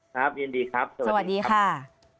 ครับยินดีครับสวัสดีค่ะ